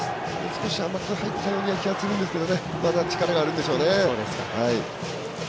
少し甘く入ったような気はするんですけど力があるんでしょうね。